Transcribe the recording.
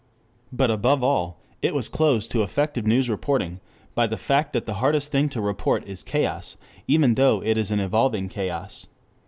But above all it was closed to effective news reporting by the fact that the hardest thing to report is chaos, even though it is an evolving chaos.